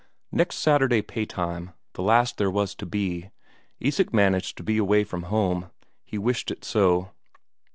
Next Saturday paytime, the last there was to be, Isak managed to be away from home he wished it so.